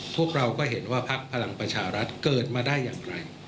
พวกเราก็เห็นว่าพักพลังประชารัฐเกิดมาได้อย่างไร